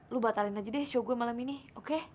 lo batalin aja deh show gue malam ini oke